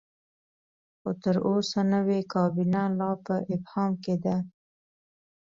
خو تر اوسه نوې کابینه لا په ابهام کې ده.